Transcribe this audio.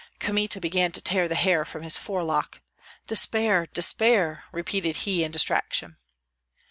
Kmita began to tear the hair from his forelock; "Despair! despair!" repeated he, in distraction.